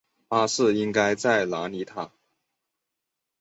巴士应该在哪里搭？